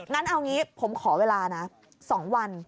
งั้นเอางี้ผมขอเวลานะ๒วัน